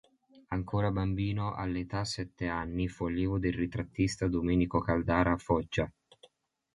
Ancora bambino, all'età sette anni, fu allievo del ritrattista Domenico Caldara a Foggia.